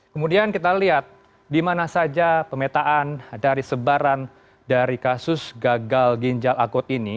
kemudian kita lihat di mana saja pemetaan dari sebaran dari kasus gagal ginjal akut ini